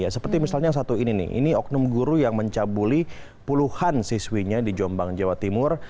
seperti misalnya yang satu ini nih ini oknum guru yang mencabuli puluhan siswinya di jombang jawa timur